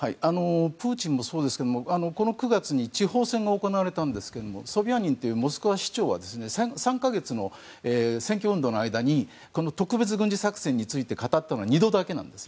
プーチンもそうですがこの９月に地方選が行われたんですけどモスクワ市長が３か月の選挙運動の間に特別軍事作戦について語ったのは２度だけなんです。